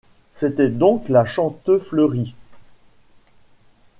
C’était donc la Chantefleurie.